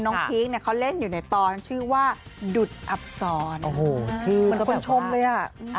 พีคเนี่ยเขาเล่นอยู่ในตอนชื่อว่าดุดอับซ้อนโอ้โหชื่อเหมือนคนชมเลยอ่ะ